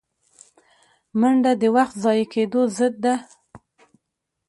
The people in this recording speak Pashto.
منډه د وخت ضایع کېدو ضد ده